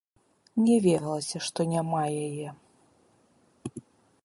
Не верылася, што няма яе.